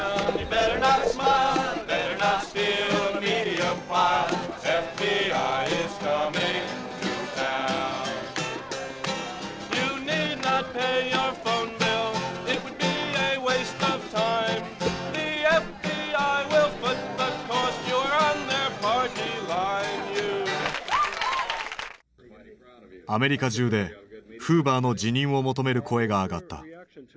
アメリカ中でフーバーの辞任を求める声が上がった。